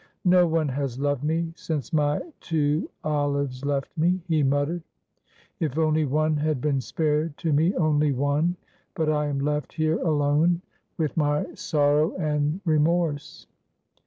"No one has loved me since my two Olives left me," he muttered. "If only one had been spared to me, only one; but I am left here alone with my sorrow and remorse."